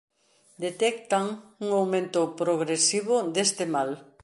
Detectan un aumento progresivo deste mal